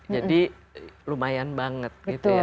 jadi lumayan banget gitu ya